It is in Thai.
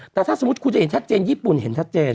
แต่ถ้าสมมุติคุณจะเห็นชัดเจนญี่ปุ่นเห็นชัดเจน